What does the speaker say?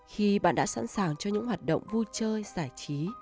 khi bạn đã sẵn sàng cho những hoạt động vui chơi giải trí